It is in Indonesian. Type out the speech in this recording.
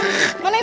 aduh kamu tahu